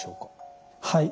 はい。